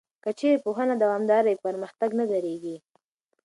که چېرې پوهنه دوامداره وي، پرمختګ نه درېږي.